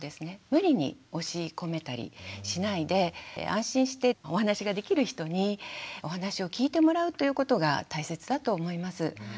無理に押し込めたりしないで安心してお話ができる人にお話を聞いてもらうということが大切だと思います。